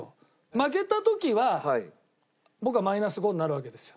負けた時は僕はマイナス５になるわけですよ。